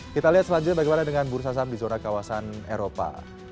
kita lihat selanjutnya bagaimana dengan bursa saham di zona kawasan eropa